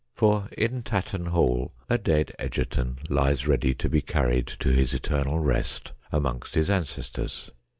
For in Tatton Hall a dead Egerton lies ready to be carried to his eternal rest amongst his ancestors.